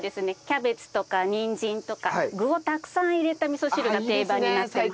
キャベツとかニンジンとか具をたくさん入れた味噌汁が定番になっています。